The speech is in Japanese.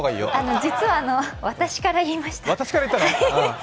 実は、私から言いました。